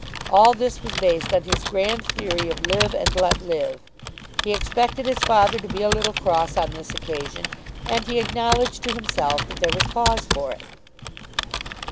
All this was based on his grand theory of live and let live. He expected his father to be a little cross on this occasion, and he acknowledged to himself that there was cause for it.